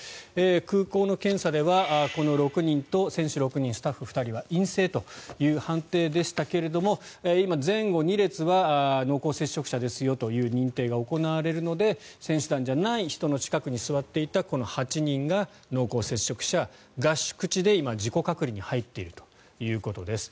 空港の検査では選手６人、スタッフ２人は陰性という判定でしたが今、前後２列は濃厚接触者ですよという認定が行われるので選手団じゃない人の近くに座っていたこの８人が濃厚接触者合宿地で今、自己隔離に入っているということです。